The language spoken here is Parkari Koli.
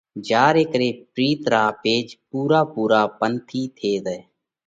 جيا ري ڪري پرِيت را پيچ پُورا پُورا پنَٿِي ٿي زائه۔